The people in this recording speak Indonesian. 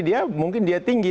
dia mungkin dia tinggi